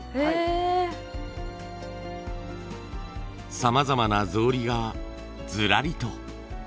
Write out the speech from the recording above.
さまざまな草履がずらりと。